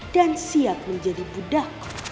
dan siap menjadi budakku